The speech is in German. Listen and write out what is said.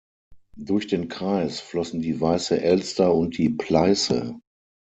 Durch den Kreis flossen die Weiße Elster und die Pleiße.